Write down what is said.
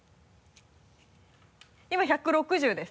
今１６０です。